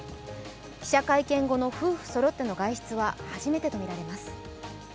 記者会見後の夫婦そろっての外出は初めてとみられます。